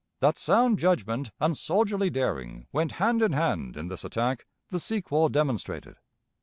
That sound judgment and soldierly daring went hand in hand in this attack the sequel demonstrated.